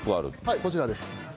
こちらです。